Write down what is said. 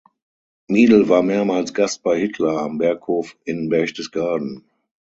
Miedl war mehrmals Gast bei Hitler am Berghof in Berchtesgaden.